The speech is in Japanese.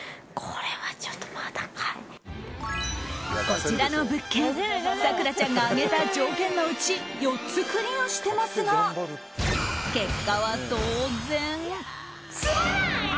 こちらの物件咲楽ちゃんが挙げた条件のうち４つクリアしてますが結果は当然。